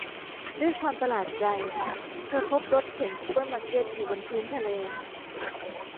ด้วยความประหลาดใจเธอพบรถเข็นซุปเปอร์มาร์เก็ตอยู่บนพื้นทะเล